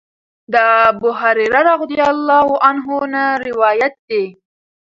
د ابوهريره رضی الله عنه نه روايت دی